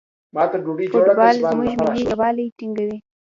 فوټبال زموږ ملي یووالی ټینګوي.